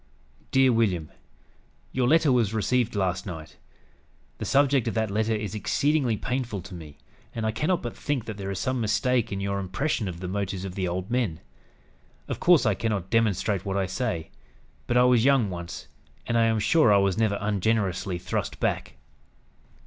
"DEAR WILLIAM: "Your letter was received last night. The subject of that letter is exceedingly painful to me; and I cannot but think that there is some mistake in your impression of the motives of the old men. Of course I cannot demonstrate what I say; but I was young once, and I am sure I was never ungenerously thrust back.